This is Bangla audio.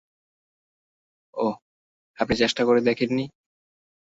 ওহ, আপনি চেষ্টা করে দেখেন নি?